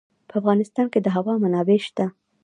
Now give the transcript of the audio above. په افغانستان کې د هوا منابع شته.